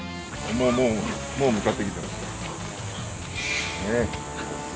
もう向かってきてます。